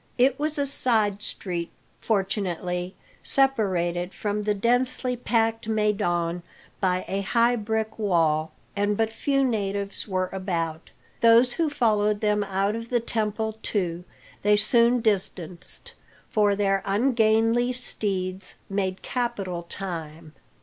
It was a side street, fortunately, separated from the densely packed maidan by a high brick wall, and but few natives were about. Those who followed them out of the temple, too, they soon distanced, for their ungainly steeds made capital time.